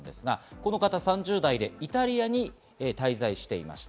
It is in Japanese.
この方、３０代でイタリアに滞在していました。